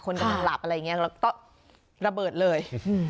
คนกำลังหลับอะไรอย่างเงี้ยต้องระเบิดเลย